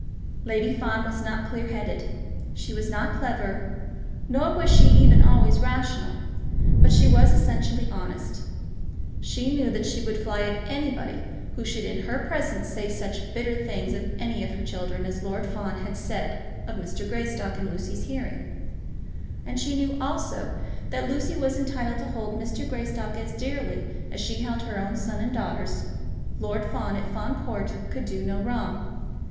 Lady Fawn was not clear headed; she was not clever; nor was she even always rational. But she was essentially honest. She knew that she would fly at anybody who should in her presence say such bitter things of any of her children as Lord Fawn had said of Mr. Greystock in Lucy's hearing; and she knew also that Lucy was entitled to hold Mr. Greystock as dearly as she held her own sons and daughters. Lord Fawn, at Fawn Court, could not do wrong.